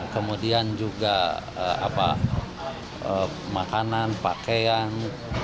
kemudian juga makanan pakaian